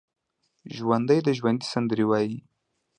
ژوندي د ژوند سندرې وايي